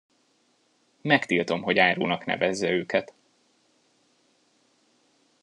Megtiltom, hogy árunak nevezze őket!